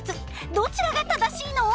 どちらが正しいの？